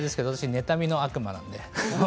妬みの悪魔なので。